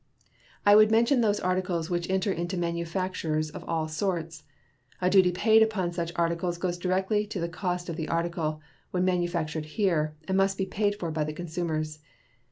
I would mention those articles which enter into manufactures of all sorts. All duty paid upon such articles goes directly to the cost of the article when manufactured here, and must be paid for by the consumers.